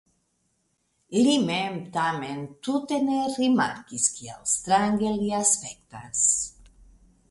Li mem tamen tute ne rimarkis, kiel strange li aspektas.